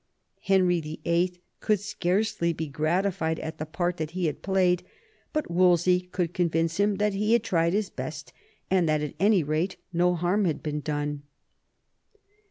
Henry VIIL could scarcely be gratified at the part that he had played, but Wolsey could convince him that he had tried his best, and that at any rate no harm had been done.